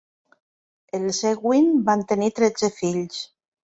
Els Ewings van tenir tretze fills.